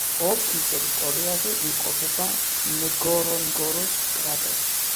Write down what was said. ოლქის ტერიტორიაზე იმყოფება ნგორონგოროს კრატერი.